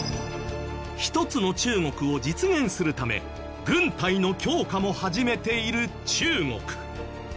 一つの中国を実現するため軍隊の強化も始めている中国。